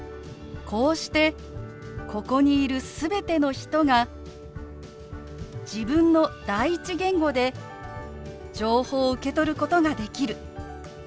こうしてここにいる全ての人が自分の第一言語で情報を受け取ることができる。